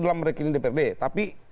dalam rekening dprd tapi